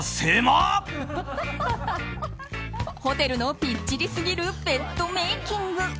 ホテルのピッチリすぎるベッドメイキング。